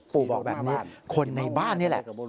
บอกแบบนี้คนในบ้านนี่แหละ